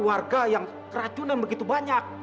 warga yang keracunan begitu banyak